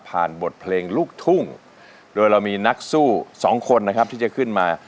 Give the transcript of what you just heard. บทเพลงลูกทุ่งโดยเรามีนักสู้สองคนนะครับที่จะขึ้นมา